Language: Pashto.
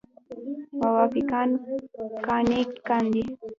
موافقان قانع کاندي.